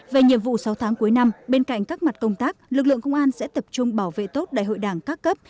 về nhiệm vụ sáu tháng cuối năm bên cạnh các mặt công tác lực lượng công an sẽ tập trung bảo vệ tốt đại hội đảng các cấp